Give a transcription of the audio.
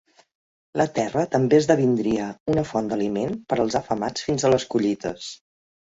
La terra també esdevindria una font d'aliment per als afamats fins a les collites.